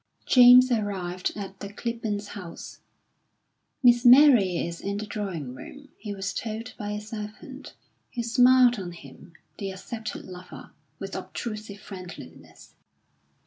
James arrived at the Clibborns' house. "Miss Mary is in the drawing room," he was told by a servant, who smiled on him, the accepted lover, with obtrusive friendliness.